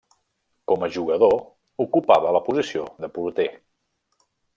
Com a jugador ocupava la posició de porter.